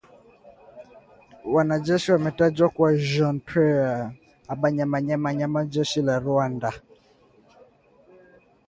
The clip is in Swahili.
Wanajeshi wametajwa kuwa Jean Pierre Habyarimana mwenye namba za usajili na John Muhindi Uwajeneza, wote kutoka kikosi cha sitini na tano cha jeshi la Rwanda